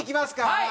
はい！